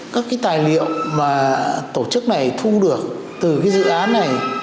các cái tài liệu mà tổ chức này thu được từ cái dự án này